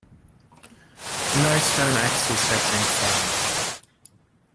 No stone axes have been found.